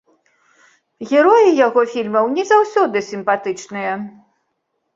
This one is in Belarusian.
Героі яго фільмаў не заўсёды сімпатычныя.